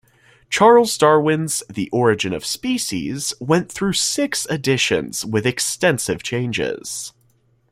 Charles Darwin's "The Origin of Species" went through six editions with extensive changes.